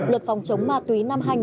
luật phòng chống ma túy năm hai nghìn